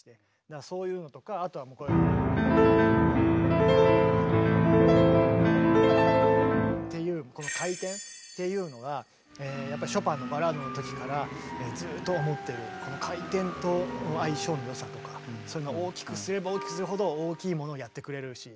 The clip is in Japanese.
そういうのとかあとは。っていうこの回転っていうのがやっぱりショパンの「バラード」のときからずっと思ってるこの回転との相性の良さとかそういうのを大きくすれば大きくするほど大きいものをやってくれるし。